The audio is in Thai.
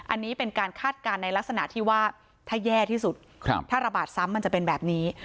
อันนี้เป็นการคาดการณ์ในลักษณะที่ว่าถ้าแย่ที่สุดถ้าระบาดซ้ำมันจะเป็นแบบนี้